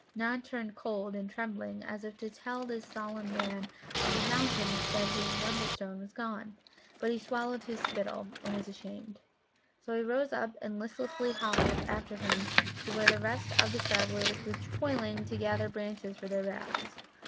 Nod turned cold, and trembling, as if to tell this solemn Man of the Mountains that his Wonderstone was gone. But he swallowed his spittle, and was ashamed. So he rose up and listlessly hobbled after him to where the rest of the travellers were toiling to gather branches for their rafts.